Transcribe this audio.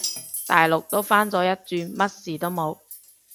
大陸都返咗一轉，乜事都冇